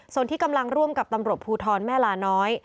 ส่วนที่กำลังร่วมกับตำรวจภูทรแม่ลาน้อย